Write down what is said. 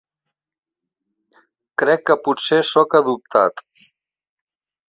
Crec que potser soc adoptat.